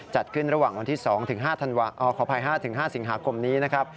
จัดขึ้นระหว่างวันที่๒๕สิงหากรมนี้นะครับ